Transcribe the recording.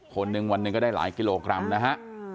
คนหนึ่งวันหนึ่งก็ได้หลายกิโลกรัมนะฮะ